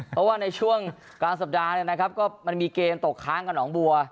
เพราะว่าในช่วงกลางสัปดาห์เนี่ยนะครับก็มันมีเกมตกค้างกับหนองบัว